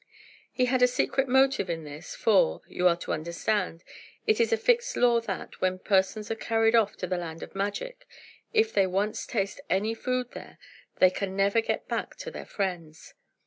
He had a secret motive in this; for, you are to understand, it is a fixed law that, when persons are carried off to the land of magic, if they once taste any food there, they can never get back to their friends.